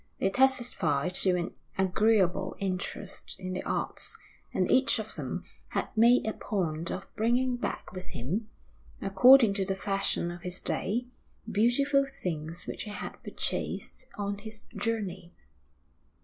They testified to an agreeable interest in the arts; and each of them had made a point of bringing back with him, according to the fashion of his day, beautiful things which he had purchased on his journey.